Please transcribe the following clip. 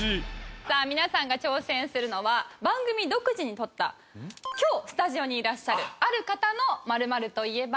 さあ皆さんが挑戦するのは番組独自に取った今日スタジオにいらっしゃるある方の「○○といえば」